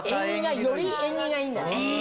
より縁起がいいんだね。